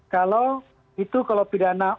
kalau itu kalau pidana